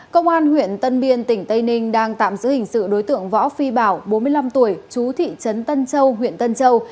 công an huyện tân biên tỉnh tây ninh đang tạm giữ hình sự đối tượng võ phi bảo bốn mươi năm tuổi chú thị trấn tân châu huyện tân châu